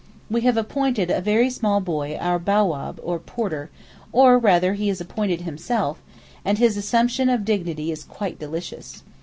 We have appointed a very small boy our bowàb, or porter—or, rather, he has appointed himself—and his assumption of dignity is quite delicious.